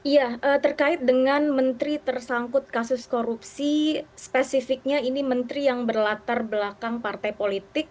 ya terkait dengan menteri tersangkut kasus korupsi spesifiknya ini menteri yang berlatar belakang partai politik